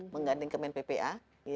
mengganding kemen ppa